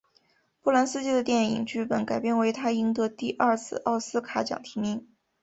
波兰斯基的电影剧本改编为他赢得第二次奥斯卡奖提名。